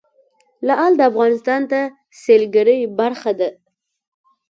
لعل د افغانستان د سیلګرۍ برخه ده.